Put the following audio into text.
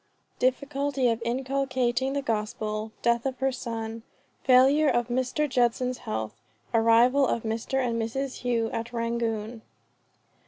DIFFICULTY OF INCULCATING THE GOSPEL. DEATH OF HER SON. FAILURE OF MR. JUDSON'S HEALTH. ARRIVAL OF MR. AND MRS. HOUGH AT RANGOON.